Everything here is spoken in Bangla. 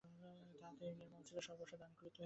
তাহাতে এই নিয়ম ছিল যে, সর্বস্ব দান করতে হইবে।